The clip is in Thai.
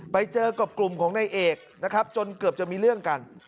ไปเจอกับกลุ่มของนายเอกนะครับจนเกือบจะมีเรื่องกัน